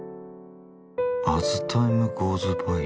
「アズ・タイム・ゴーズ・バイ」？